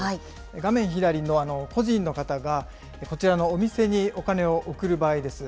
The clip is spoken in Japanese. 画面左の個人の方がこちらのお店にお金を送る場合です。